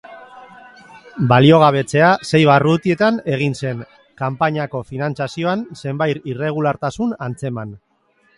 Baliogabetzea sei barrutietan egin zen, kanpainako finantzazioan zenbair irregulartasun antzeman ondoren.